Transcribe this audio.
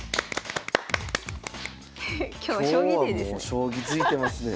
今日は将棋デーですね。